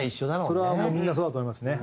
それはみんなそうだと思いますね。